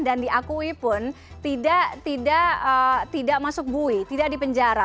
dan diakui pun tidak masuk bui tidak di penjara